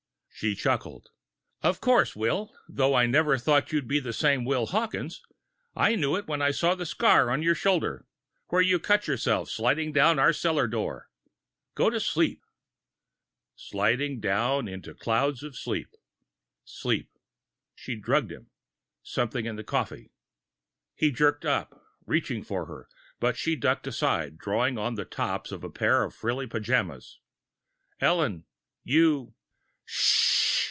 She chuckled. "Of course, Will. Though I never thought you'd be the same Will Hawkes. I knew it when I saw that scar on your shoulder, where you cut yourself sliding down our cellar door. Go to sleep." Sliding down, sliding down into clouds of sleep. Sleep! She'd drugged him! Something in the coffee! He jerked up, reaching for her, but she ducked aside, drawing on the tops to a pair of frilly pajamas. "Ellen, you " "Shh!"